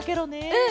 うん！